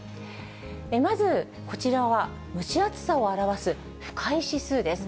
まず、こちらは、蒸し暑さを表す不快指数です。